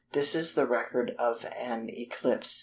This is the record of an eclipse.